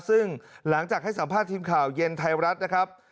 ซึ่งหลังจากให้สัมภาษณ์ทีมข่าวเย็นไทยรัฐนะครับ